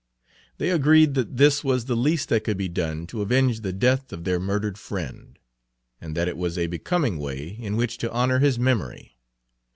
They agreed that this was the least that could be done to avenge the death of their murdered friend, and that it was a becoming way in which to honor his memory.